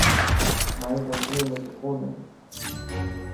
مائي ڪمپني ۾ سڪون هي.